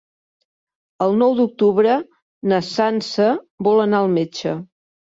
El nou d'octubre na Sança vol anar al metge.